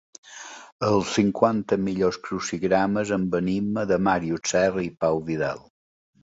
Els cinquanta millors crucigrames amb enigma de Màrius Serra i Pau Vidal.